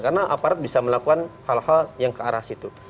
karena aparat bisa melakukan hal hal yang ke arah situ